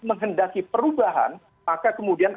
menghendaki perubahan maka kemudian